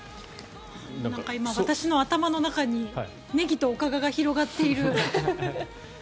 なんか今、私の頭の中にネギと、おかかが広がっている。